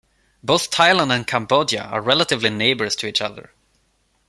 Both Thailand and Cambodia are relatively neighbors to each other.